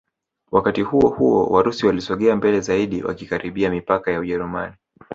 Wakati huohuo Warusi walisogea mbele zaidi wakikaribia mipaka ya Ujerumani